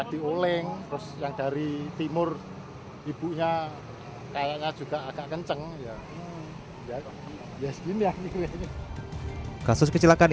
dioleng terus yang dari timur ibunya kayaknya juga agak kenceng ya ya segini ya kasus kecelakaan